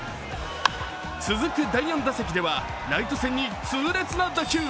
続く第４打席ではライト線に痛烈な打球。